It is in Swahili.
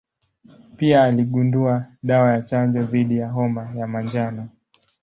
Pia aligundua dawa ya chanjo dhidi ya homa ya manjano.